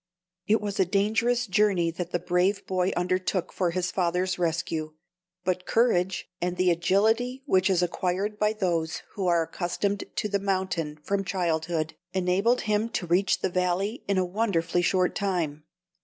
It was a dangerous journey that the brave boy undertook for his father's rescue; but courage, and the agility which is acquired by those who are accustomed to the mountains from childhood, enabled him to reach the valley in a wonderfully short time.